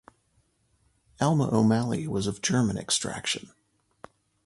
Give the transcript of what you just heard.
Alma O'Malley was of German extraction.